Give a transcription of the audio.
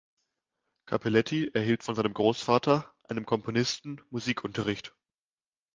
Cappelletti erhielt von seinem Großvater, einem Komponisten, Musikunterricht.